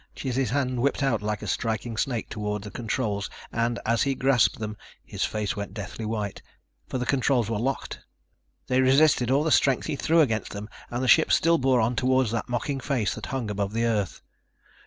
Chizzy's hand whipped out like a striking snake toward the controls and, as he grasped them, his face went deathly white. For the controls were locked! They resisted all the strength he threw against them and the ship still bore on toward that mocking face that hung above the Earth.